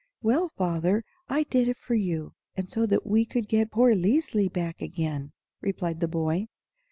"Well, father, I did it for you, and so that we could get poor Liesli back again," replied the boy.